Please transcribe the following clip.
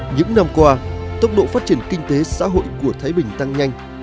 những năm qua tốc độ phát triển kinh tế xã hội của thái bình tăng nhanh